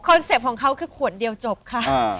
เซ็ปต์ของเขาคือขวดเดียวจบค่ะ